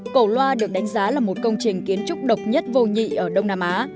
cổ loa được đánh giá là một công trình kiến trúc độc nhất vô nhị ở đông nam á